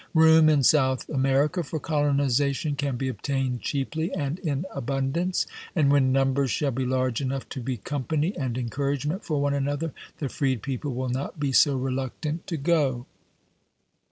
Room in South America for colonization can be obtained cheaply and in abundance, and when num bers shall be large enough to be company and encourage ment for one another, the freed people will not be so reluctant to go.